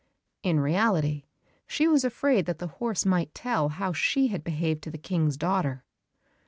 In reality, she was afraid that the horse might tell how she had behaved to the King's daughter.